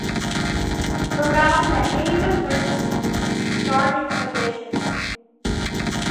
Around the age of thirteen she started auditioning.